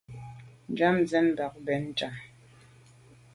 Njam sèn bag be bèn njam.